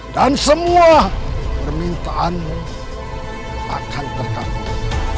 dan semua permintaanmu akan terkampung